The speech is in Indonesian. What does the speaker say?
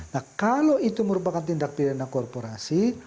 nah kalau itu merupakan tindak pidana korporasi